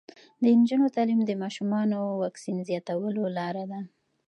د نجونو تعلیم د ماشومانو واکسین زیاتولو لاره ده.